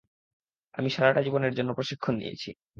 আমি সারাটা জীবন এর জন্য প্রশিক্ষণ নিয়েছি।